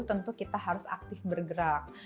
tentu kita harus aktif bergerak